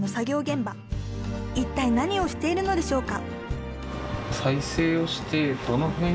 一体何をしているのでしょうか？